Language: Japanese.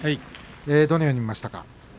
どのように見ましたか？